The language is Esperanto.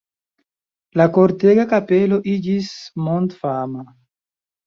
La Kortega kapelo iĝis mondfama.